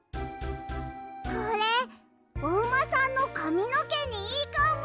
これおうまさんのかみのけにいいかも！